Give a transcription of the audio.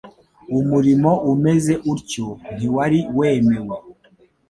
umurimo umeze utyo ntiwari wemewe.